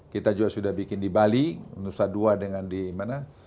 kita juga sudah bikin di bali nusa dua dengan di mana